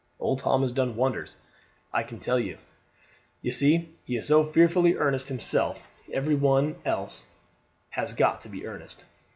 Old Tom has done wonders, I can tell you. You see, he is so fearfully earnest himself every one else has got to be earnest.